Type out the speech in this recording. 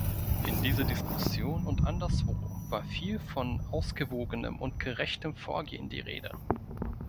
In dieser Diskussion und anderswo war viel von ausgewogenem und gerechtem Vorgehen die Rede.